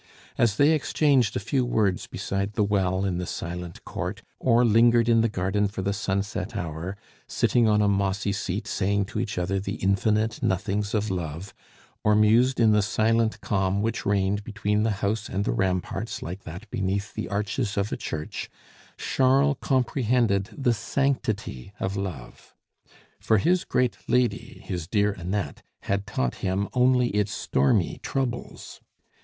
As they exchanged a few words beside the well in the silent court, or lingered in the garden for the sunset hour, sitting on a mossy seat saying to each other the infinite nothings of love, or mused in the silent calm which reigned between the house and the ramparts like that beneath the arches of a church, Charles comprehended the sanctity of love; for his great lady, his dear Annette, had taught him only its stormy troubles.